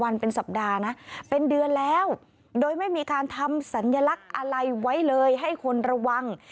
เลยให้คนระวัง